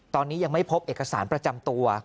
ตอนนี้ยังไม่พบเอกสารประจำตัว